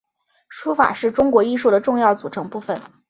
书法是中国艺术的重要组成部份。